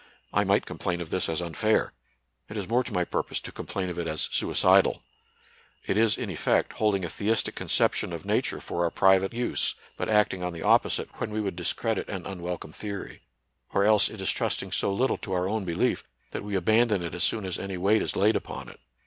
I might complain of this as unfair : it is more to my purpose to complain of it as suicidal. It is in effect hold ing a theistic conception of Nature for our pri 90 NATURAL SCIENCE AND RELIGION. vate use, but acting on the opposite when we would discredit an unwelcome theory. Or else it is trusting so little to our own belief that we abandon it as soon as any weight is laid upon it.